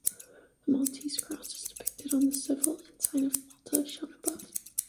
The Maltese cross is depicted on the civil ensign of Malta, shown above.